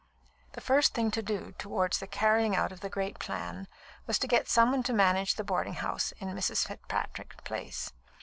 The first thing to do towards the carrying out of the great plan was to get some one to manage the boarding house in Mrs. Fitzpatrick's place.